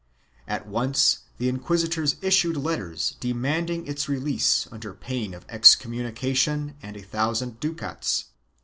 At once the inquisi tors issued letters demanding its release under pain of excom munication and a thousand ducats.